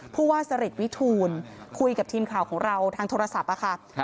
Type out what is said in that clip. ผู้ว่าสริตวิทูลคุยกับทีมข่าวของเราทางโทรศัพท์ค่ะ